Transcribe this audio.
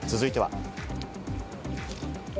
続いては。